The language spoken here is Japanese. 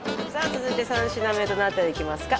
続いて三品目どの辺りいきますか？